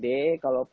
jadi saya nyalakan fd